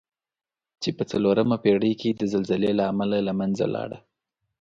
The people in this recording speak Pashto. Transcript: چې په څلورمه پېړۍ کې د زلزلې له امله له منځه لاړه.